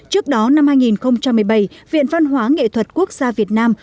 trước đó năm hai nghìn một mươi bảy viện văn hóa nghệ thuật quốc gia việt nam